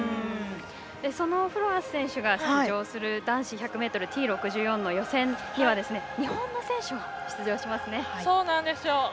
そのフロアス選手が出場する男子１００ｍＴ６４の予選では日本の選手も出場します。